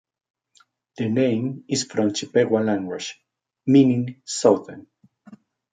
The name is from the Chippewa language, meaning "southern".